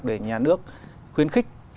để nhà nước khuyến khích